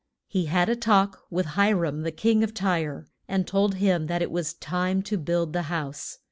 He had a talk with Hi ram the king of Tyre, and told him that it was time to build the house.